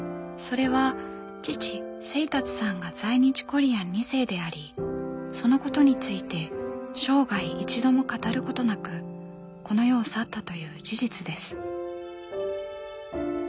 それは父清達さんが在日コリアン２世でありそのことについて生涯一度も語ることなくこの世を去ったという事実です。